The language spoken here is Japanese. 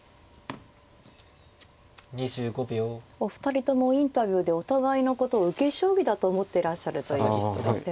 お二人ともインタビューでお互いのことを受け将棋だと思ってらっしゃると。